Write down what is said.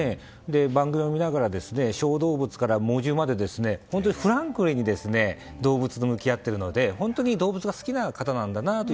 番組を見ながら、小動物から猛獣まで、本当にフランクに動物と向き合っているので本当に動物が好きな方なんだなと。